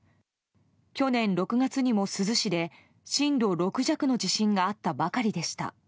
去年６月にも珠洲市で震度６弱の地震があったばかりでした。